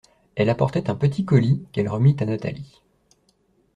Elle apportait un petit colis, qu’elle remit à Nathalie.